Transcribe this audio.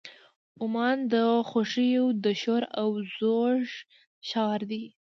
عمان د خوښیو د شور او زوږ ښار دی.